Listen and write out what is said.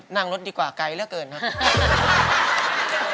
นั่งรถดีกว่าไกลเหลือเกินครับ